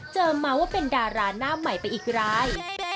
เมาส์ว่าเป็นดาราหน้าใหม่ไปอีกราย